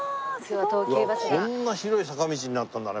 こんな広い坂道になったんだね